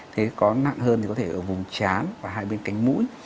thế có nặng hơn thì có thể ở vùng chán và hai bên cánh mũi